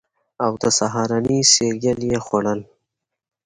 او د سهارنۍ سیریل یې خوړل